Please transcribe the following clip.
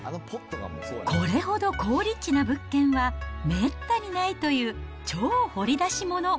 これほど好立地な物件はめったにないという超掘り出し物。